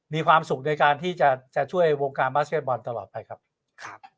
มีความสุขในการที่จะจะช่วยวงการตลอดไปครับครับ